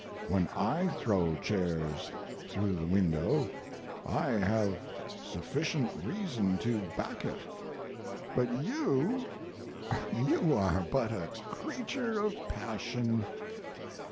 When I throw chairs through the window I have sufficient reason to back it. But you you are but a creature of passion.